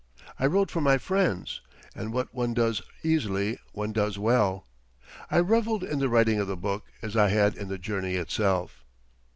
I wrote for my friends; and what one does easily, one does well. I reveled in the writing of the book, as I had in the journey itself.